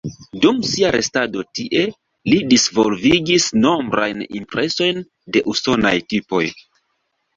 Dum sia restado tie, li disvolvigis nombrajn impresojn de usonaj tipoj.